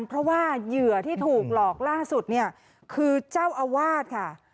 เพราะว่าเหยื่อที่ถูกหลอกล่าสุดเนี่ยคือเจ้าอาวาสค่ะ